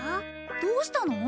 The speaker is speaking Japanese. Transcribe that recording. どうしたの？